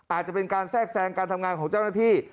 อาจจะเป็นการแทรกแทรงการทำงานของเจ้าหน้าที่